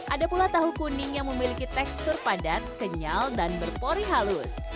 ada pula tahu kuning yang memiliki tekstur padat kenyal dan berpori halus